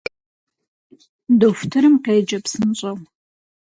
Дохутырым къеджэ псынщӏэу!